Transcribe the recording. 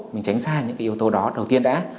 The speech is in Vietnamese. mình tránh xa những cái yếu tố đó đầu tiên đã